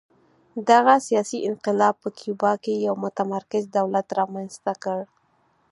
دغه سیاسي انقلاب په کیوبا کې یو متمرکز دولت رامنځته کړ